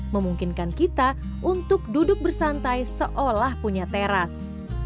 memungkinkan kita untuk duduk bersantai seolah punya teras